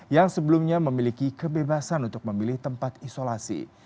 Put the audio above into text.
yang sebelumnya memiliki kebebasan untuk memilih tempat isolasi